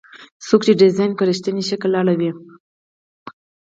څوک چې ډیزاین په رښتیني شکل اړوي.